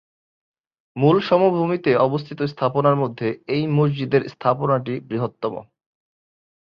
মূল সমভূমিতে অবস্থিত স্থাপনার মধ্যে এই মসজিদের স্থাপনাটি বৃহত্তম।